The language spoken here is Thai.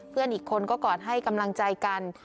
เพื่อนอีกคนก็กอดให้กำลังใจกัน